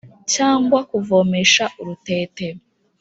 Cyangwa kuvomesha urutete